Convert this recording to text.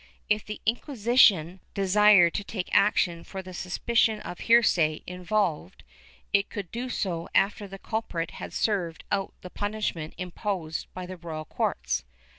If the Inquisition desired to take action for the suspicion of heresy involved, it could do so after the culprit had served out the punishment imposed by the royal courts.